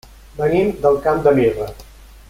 Venim del Camp de Mirra.